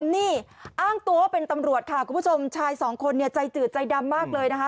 นี่อ้างตัวเป็นตำรวจค่ะคุณผู้ชมชายสองคนเนี่ยใจจืดใจดำมากเลยนะคะ